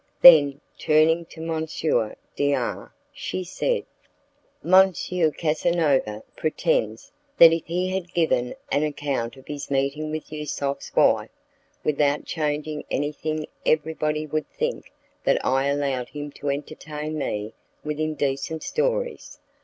Then, turning to M. D R , she said, "M. Casanova pretends that if he had given an account of his meeting with Yusuf's wife without changing anything everybody would think that I allowed him to entertain me with indecent stories.